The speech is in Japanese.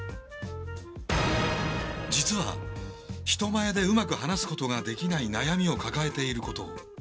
実は人前でうまく話すことができない悩みを抱えていることを。